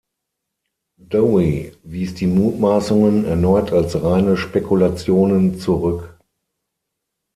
Dowie wies die Mutmaßungen erneut als reine Spekulationen zurück.